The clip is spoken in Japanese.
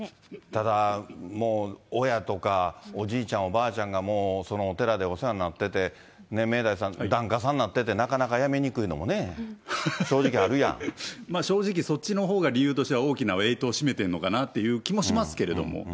ただ、親とかおじいちゃんおばあちゃんがそのお寺でお世話になってて、明大さん、檀家さんになってて、なかなかやめにくいの正直、そっちのほうが大きな占めてるのかなという気もしますけれども。